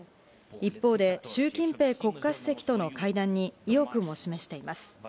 一方で、シュウ・キンペイ国家主席との会談に意欲も示しています。